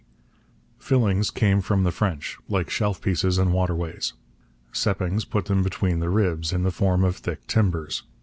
C. Fillings came from the French, like shelf pieces and waterways. Seppings put them between the ribs, in the form of thick timbers.